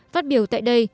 phát biểu tại đây